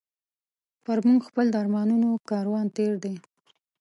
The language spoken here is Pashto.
پر موږ خپل د ارمانونو کاروان تېر دی